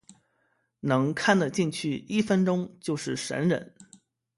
能看的进去一分钟就是神人